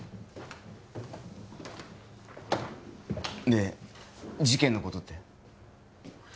で事件のことって？